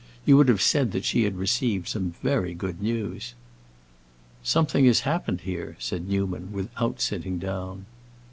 You would have said that she had received some very good news. "Something has happened here!" said Newman, without sitting down.